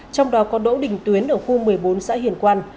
trong đó có đỗ đỉnh tuyến ở khu một mươi bốn xã hiển quang